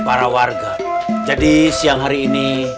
para warga jadi siang hari ini